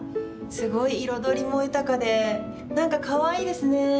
すごい彩りも豊かで何かかわいいですね。